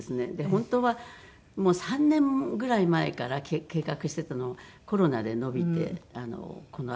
本当は３年ぐらい前から計画していたのがコロナで延びてこの秋になりましたね。